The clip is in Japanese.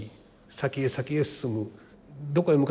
先へ先へ進む。